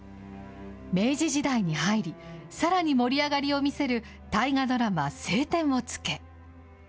明治時代に入り、さらに盛り上がりを見せる大河ドラマ、青天を衝け。